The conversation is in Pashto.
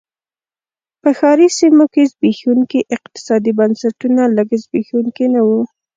په ښاري سیمو کې زبېښونکي اقتصادي بنسټونه لږ زبېښونکي نه و.